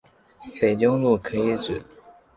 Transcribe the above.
北京路可以指